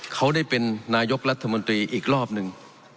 เขาได้เป็นนายกรัฐมนตรีอีกรอบหนึ่ง